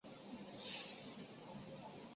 帕略萨是巴西圣卡塔琳娜州的一个市镇。